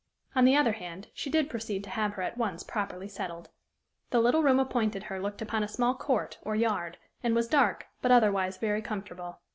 On the other hand, she did proceed to have her at once properly settled. The little room appointed her looked upon a small court or yard, and was dark, but otherwise very comfortable.